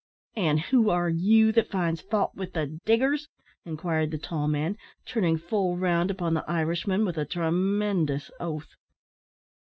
"An' who are you that finds fault wi' the diggers?" inquired the tall man, turning full round upon the Irishman, with a tremendous oath.